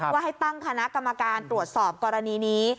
ว่าให้ตั้งคณะกรรมการตรวจสอบกรณีนี้